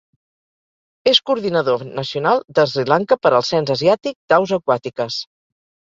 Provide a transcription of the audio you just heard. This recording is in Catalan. És coordinador nacional de Sri Lanka per al cens asiàtic d'aus aquàtiques.